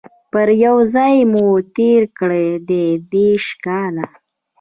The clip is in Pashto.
پر یوه ځای مو تیر کړي دي دیرش کاله